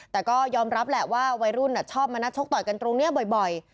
แต่ก็ยอมรับแหละว่าวัยรุ่นชอบมานัดชกต่อยกันตรงนี้บ่อย